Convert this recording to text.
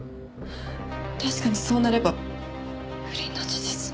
確かにそうなれば不倫の事実も。